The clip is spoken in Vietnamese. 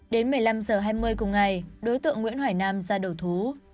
đến một mươi năm h hai mươi cùng ngày đối tượng nguyễn hoài nam ra đầu thú